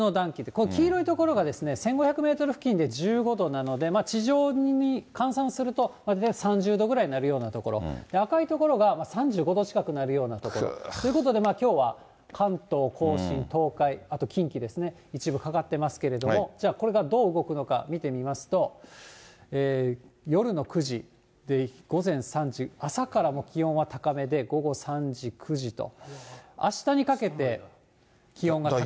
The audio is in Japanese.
この黄色い所がですね、１５００メートル付近で１５度なので、地上に換算すると３０度ぐらいになるような所、赤い所が３５度近くになるような所。ということできょうは、関東甲信、東海、あと近畿ですね、一部かかっていますけれども、じゃあ、これがどう動くのか、見てみますと、夜の９時、午前３時、朝から気温は高めで、午後３時、９時と、あしたにかけて気温が高い状態。